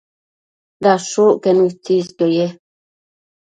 dashucquenu itsisquio ye